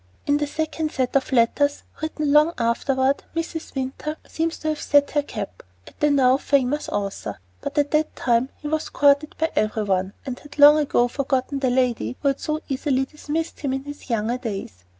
In the second set of letters, written long afterward, Mrs. Winter seems to have "set her cap" at the now famous author; but at that time he was courted by every one, and had long ago forgotten the lady who had so easily dismissed him in his younger days.